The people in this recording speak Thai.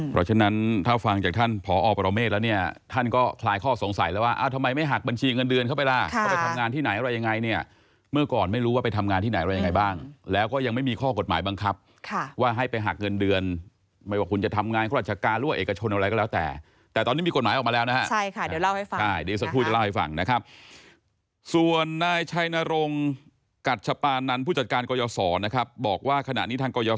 เพราะฉะนั้นถ้าฟังจากท่านพอประโมเมฆแล้วเนี่ยท่านก็คลายข้อสงสัยแล้วว่าอ่าทำไมไม่หักบัญชีเงินเดือนเข้าไปล่ะเขาไปทำงานที่ไหนอะไรยังไงเนี่ยเมื่อก่อนไม่รู้ว่าไปทำงานที่ไหนอะไรยังไงบ้างแล้วก็ยังไม่มีข้อกฎหมายบังคับค่ะว่าให้ไปหักเงินเดือนไม่ว่าคุณจะทำงานครัฐการรั่วเอกชนอะไรก